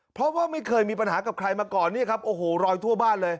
เพราะว่าไม่เคยมีปัญหากับใครมาก่อนนี่ครับโอ้โหรอยทั่วบ้านเลย